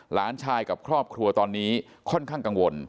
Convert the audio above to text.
หลานชายกับครอบครัวตอนนี้ค่อนข้างกังวล